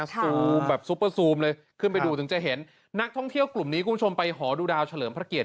ซูมแบบซุปเปอร์ซูมเลยขึ้นไปดูถึงจะเห็นนักท่องเที่ยวกลุ่มนี้คุณผู้ชมไปหอดูดาวเฉลิมพระเกียรติ